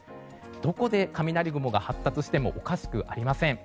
どこで雷雲が発達してもおかしくありません。